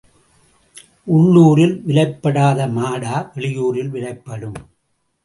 உன்ளூரில் விலைப்படாத மாடா வெளியூரில் விலைப்படும்?